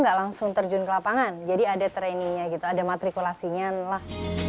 nggak langsung terjun ke lapangan jadi ada trainingnya gitu ada matrikulasinya lah